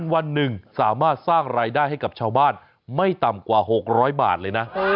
วันหนึ่งสามารถสร้างรายได้ให้กับชาวบ้านไม่ต่ำกว่า๖๐๐บาทเลยนะ